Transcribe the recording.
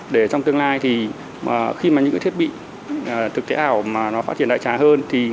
để trong tương lai khi những thiết bị thực tế ảo phát triển đại trái hơn